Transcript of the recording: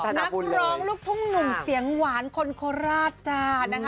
นักร้องลูกทุ่งหนุ่มเสียงหวานคนคอราช